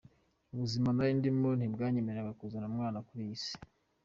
Ubuzima nari ndimo ntibwanyemereraga kuzana umwana kuri iyi si.